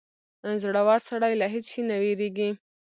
• زړور سړی له هېڅ شي نه وېرېږي.